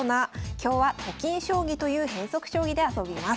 今日は「と金将棋」という変則将棋で遊びます。